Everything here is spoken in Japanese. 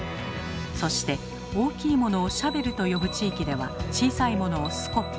そして大きいものをシャベルと呼ぶ地域では小さいものをスコップ。